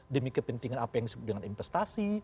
demi kepentingan apa yang disebut dengan investasi